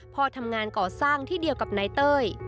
พ่อทำงานก่อสร้างที่เดียวกับนายเต้ย